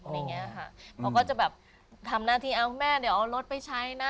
มันก็จะแบบทำหน้าที่เอาแม่เดี๋ยวเอารถไปใช้นะ